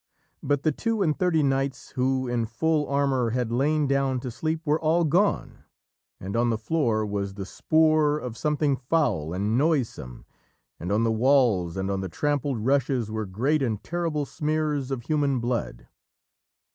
But the two and thirty knights who, in full armour, had lain down to sleep were all gone, and on the floor was the spoor of something foul and noisome, and on the walls and on the trampled rushes were great and terrible smears of human blood.